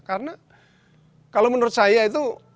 karena kalau menurut saya itu